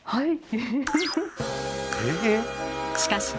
はい。